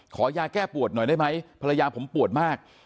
ขอยาแก้ปวดหน่อยได้ไหมภรรยาผมปวดมาก